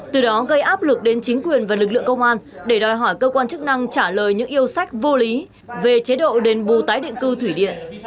từ đó gây áp lực đến chính quyền và lực lượng công an để đòi hỏi cơ quan chức năng trả lời những yêu sách vô lý về chế độ đền bù tái định cư thủy điện